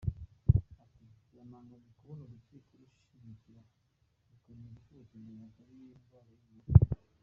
Ati” Byantangaje kubona urukiko runshyigikira, rukemeza ko ubutinganyi atari indwara yo mu mutwe.